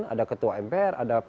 ada ketua mpr